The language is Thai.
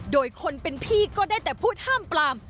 โดยคนเป็นพี่ก็ได้แต่พูดห้ามปลาม